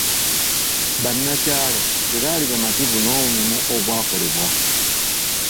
Bannakyalo tebaali bamativu n'omulimu ogwakolebwa.